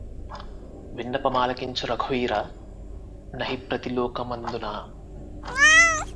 విన్నపమాలకించు రఘువీర నహిప్రతిలోకమందు నా